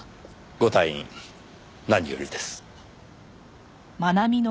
ご退院何よりです。